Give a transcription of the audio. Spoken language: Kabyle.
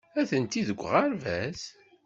Atenti deg uɣerbaz.